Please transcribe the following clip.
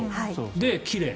で、奇麗。